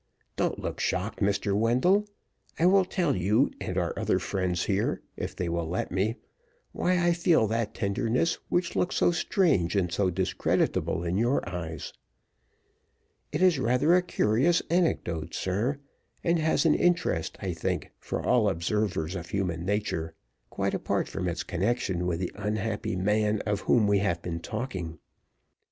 Don't look shocked, Mr. Wendell. I will tell you, and our other friends here, if they will let me, why I feel that tenderness, which looks so strange and so discreditable in your eyes. It is rather a curious anecdote, sir, and has an interest, I think, for all observers of human nature quite apart from its connection with the unhappy man of whom we have been talking.